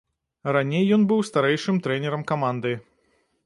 Раней ён быў старэйшым трэнерам каманды.